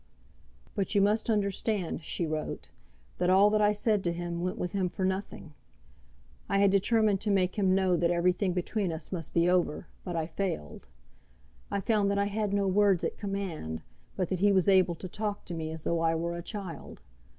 "But you must understand," she wrote, "that all that I said to him went with him for nothing. I had determined to make him know that everything between us must be over, but I failed. I found that I had no words at command, but that he was able to talk to me as though I were a child.